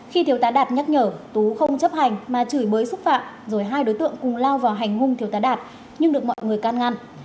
khi thiếu tá đạt nhắc nhở tú không chấp hành mà chửi bới xúc phạm rồi hai đối tượng cùng lao vào hành hung thiếu tá đạt nhưng được mọi người can ngăn